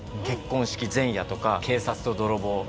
「結婚式前夜」とか「警察と泥棒」